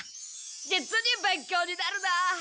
実に勉強になるなあ。